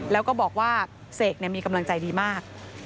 แล้วก็บอกว่าเสกมีกำลังใจดีมาก